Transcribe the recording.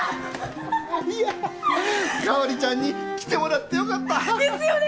いやあ香織ちゃんに来てもらってよかった！ですよね。